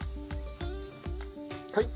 はい。